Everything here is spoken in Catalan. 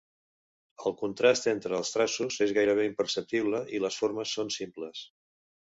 El contrast entre els traços és gairebé imperceptible i les formes són simples.